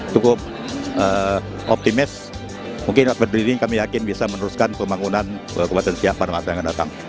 cukup optimis mungkin alfedri ini kami yakin bisa meneruskan pembangunan kabupaten siak pada masa yang akan datang